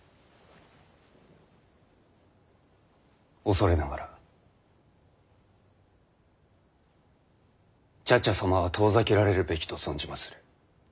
恐れながら茶々様は遠ざけられるべきと存じまする。